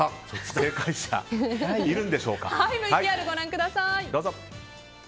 ＶＴＲ、ご覧ください。